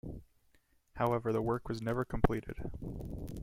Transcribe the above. However the work was never completed.